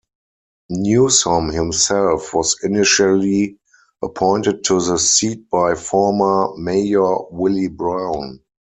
Newsom himself was initially appointed to this seat by former Mayor Willie Brown.